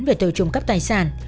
về tội trộm cắp tài sản